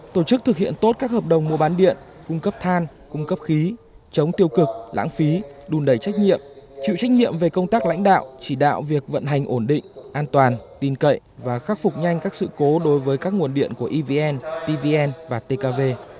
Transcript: tổ chức thực hiện tốt các hợp đồng mua bán điện cung cấp than cung cấp khí chống tiêu cực lãng phí đùn đầy trách nhiệm chịu trách nhiệm về công tác lãnh đạo chỉ đạo việc vận hành ổn định an toàn tin cậy và khắc phục nhanh các sự cố đối với các nguồn điện của evn pvn và tkv